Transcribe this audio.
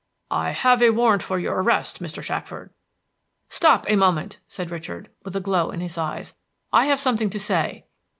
"I have a warrant for your arrest, Mr. Shackford." "Stop a moment!" said Richard, with a glow in his eyes. "I have something to say."